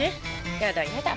やだやだ。